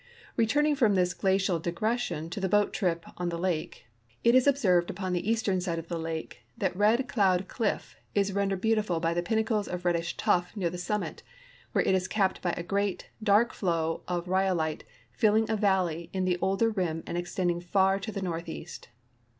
Returning from this glacial digression to the boat trip on the lake, it is observed upon the eastern side of the lake that Red Cloud cliff is rendered beautiful by the pinnacles of reddish tuff near the summit, where it is capped by a great, dark flow^ of rhyolite filling a valley in the older rim and extending far to the northeast.